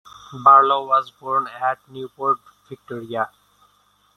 Barlow was born at Newport, Victoria.